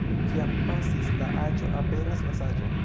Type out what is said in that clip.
Kiam pasis la aĝo, aperas la saĝo.